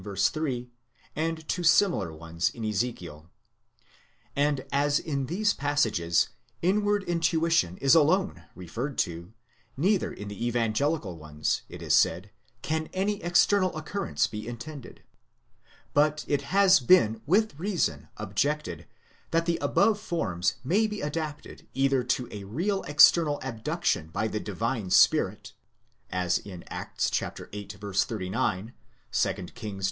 3, and to similar ones in Ezekiel ; and as in these passages inward intuition is alone referred to, neither in the evan gelical ones, it is said, can any external occurrence be intended. But it has been with reason objected,® that the above forms may be adapted either to a real external abduction by the Divine Spirit (as in Acts viii. 39; 2 Kings ii.